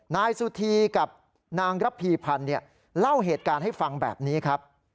นายสุธีกับนางระพีพันธ์เล่าเหตุการณ์ให้ฟังแบบนี้ครับ